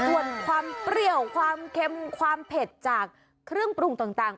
ส่วนความเปรี้ยวความเค็มความเผ็ดจากเครื่องปรุงต่าง